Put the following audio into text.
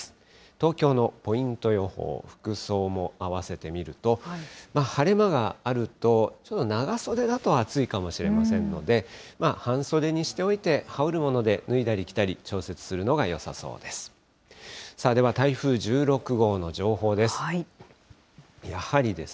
東京のポイント予報、服装も併せて見ると、晴れ間があると、ちょっと長袖だと暑いかもしれませんので、半袖にしておいて、羽織るもので脱いだり着たり、調節するのがよさそうです。